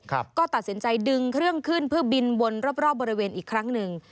ก็ตัดสินใจดึงเครื่องขึ้นเพื่อบินวนรอบรอบบริเวณอีกครั้งหนึ่ง